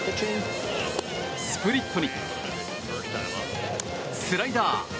スプリットにスライダー。